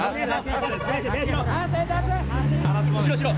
後ろ後ろ。